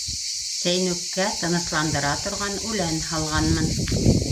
Сәйнүккә тынысландыра торған үлән һалғанмын...